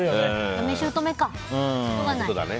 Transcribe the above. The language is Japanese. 嫁姑間、しょうがない。